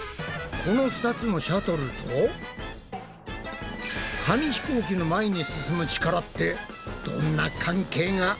この２つのシャトルと紙ひこうきの前に進む力ってどんな関係があるんだ？